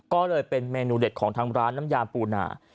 ก็เลยเป็นเมนูเด็ดของทางร้านน้ำยามปูนา